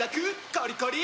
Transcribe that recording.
コリコリ！